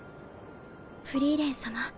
フリーレン様